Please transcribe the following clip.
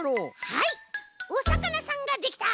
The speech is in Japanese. はいおさかなさんができた！